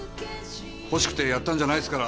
ほしくてやったんじゃないですから！